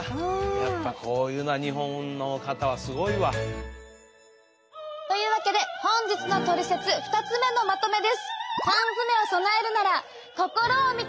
やっぱこういうのは日本の方はすごいわ。というわけで本日のトリセツ２つ目のまとめです。